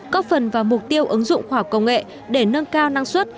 có phần vào mục tiêu ứng dụng khoa học công nghệ để nâng cao năng suất